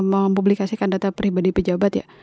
mempublikasikan data pribadi pejabat ya